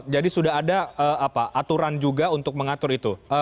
jadi sudah ada aturan juga untuk mengatur itu